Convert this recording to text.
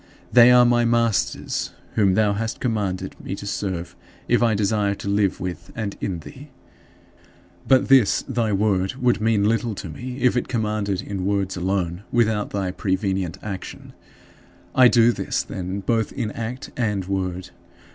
They are my masters, whom thou hast commanded me to serve if I desire to live with and in thee. But this thy Word would mean little to me if it commanded in words alone, without thy prevenient action. I do this, then, both in act and word.